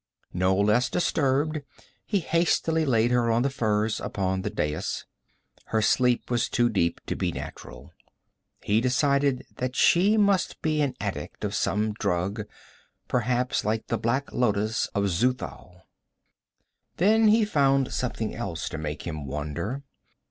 No less disturbed, he hastily laid her on the furs upon the dais. Her sleep was too deep to be natural. He decided that she must be an addict of some drug, perhaps like the black lotus of Xuthal. Then he found something else to make him wonder.